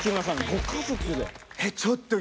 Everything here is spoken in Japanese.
ご家族で。